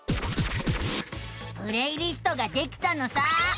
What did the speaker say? プレイリストができたのさあ。